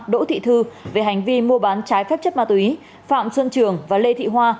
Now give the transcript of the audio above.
đỗ thị thư về hành vi mua bán trái phép chất ma túy phạm xuân trường và lê thị hoa